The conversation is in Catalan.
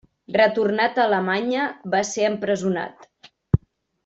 Retornat a Alemanya va ser empresonat.